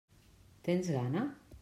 Tens gana?